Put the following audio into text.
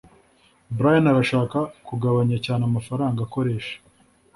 brian arashaka kugabanya cyane amafaranga akoresha